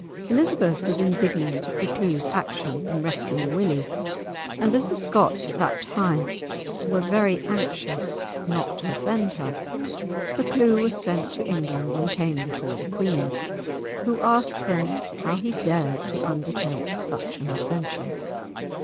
Elizabeth was indignant at Buccleuch's action in rescuing Willie, and as the Scots at that time were very anxious not to offend her, Buccleuch was sent to England and came before the Queen, who asked him how he dared to undertake such an adventure.